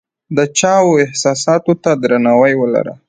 د چا و احساساتو ته درناوی ولره !